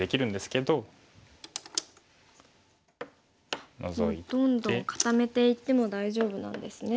もうどんどん固めていっても大丈夫なんですね。